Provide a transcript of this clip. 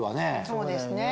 そうですね。